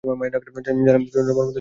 জালিমদের জন্য তো মর্মস্তুদ শাস্তি আছেই।